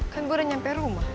kan gue udah nyampe rumah